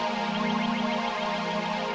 maksudnya udah deh